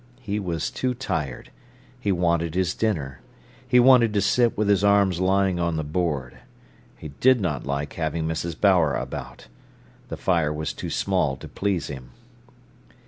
He was too tired; he wanted his dinner; he wanted to sit with his arms lying on the board; he did not like having Mrs. Bower about. The fire was too small to please him.